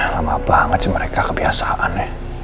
lama banget sih mereka kebiasaan ya